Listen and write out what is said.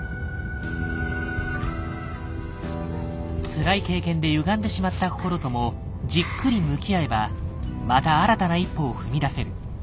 つらい経験でゆがんでしまった心ともじっくり向き合えばまた新たな一歩を踏み出せる。